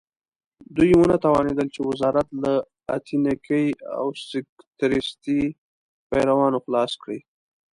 دوی ونه توانېدل چې وزارت له اتنیکي او سکتریستي پیریانو خلاص کړي.